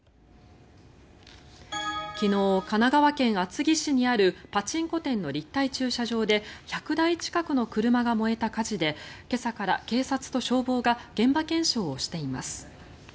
昨日、神奈川県厚木市にあるパチンコ店の立体駐車場で１００台近くの車が燃えた火事で今朝から警察と消防が現場検証をしています。